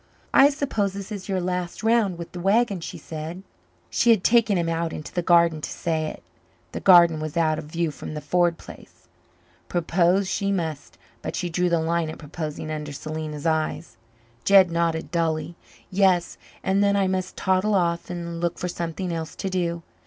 "I suppose this is your last round with the wagon," she said. She had taken him out into the garden to say it. The garden was out of view from the Ford place. Propose she must, but she drew the line at proposing under Selena's eyes. Jed nodded dully. "Yes, and then I must toddle off and look for something else to do.